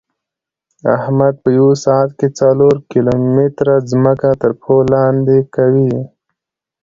احمد په یوه ساعت کې څلور کیلو متېره ځمکه ترپښو لاندې کوي.